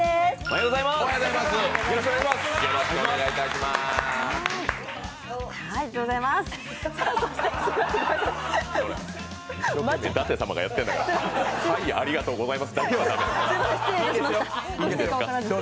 はい、ありがとうございまーす。